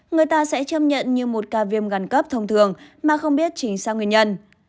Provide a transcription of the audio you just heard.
người ta sẽ châm nhận như một ca viêm gan cấp thông thường mà không biết chính sao nguyên nhân